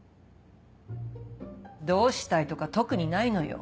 どうしたいとか特にないのよ。